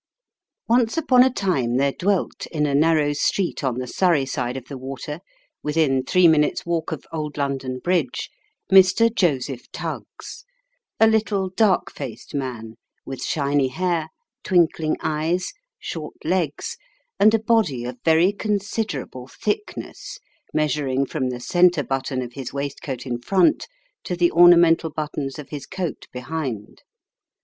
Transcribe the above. ONCE upon a time, there dwelt, in a narrow street on the Surrey side of the water, within three minutes' walk of old London Bridge, Mr. Joseph Tuggs a little dark faced man, with shiny hair, twinkling eyes, short legs, and a body of very considerable thickness, measuring from the centre button of his waistcoat in front, to the ornamental buttons of his coat behind.